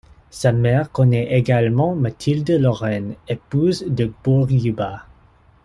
Sa mère connaît également Mathilde Lorrain, épouse de Bourguiba.